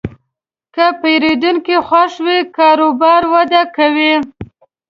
که پیرودونکی خوښ وي، کاروبار وده کوي.